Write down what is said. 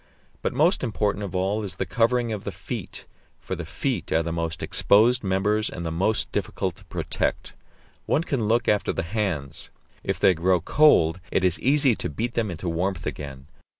But most important of all is the covering of the feet, for the feet are the most exposed members and the most difficult to protect. One can look after the hands; if they grow cold it is easy to beat them into warmth again.